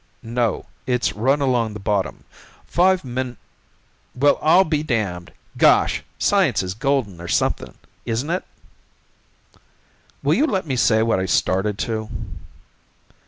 "No. It's run along the bottom. Five min " "Well, I'll be darned! Gosh! Science is golden or something isn't it?" "Will you let me say what I started to?"